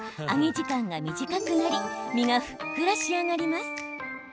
時間が短くなり身がふっくら仕上がります。